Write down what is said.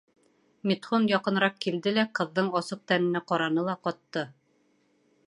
Митхун яҡыныраҡ килде лә ҡыҙҙың асыҡ тәненә ҡараны ла ҡатты.